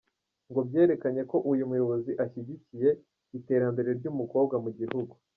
Ngo byerekanye ko uyu muyobozi ashyigikiye iterambere ry’umukobwa mu gihugu.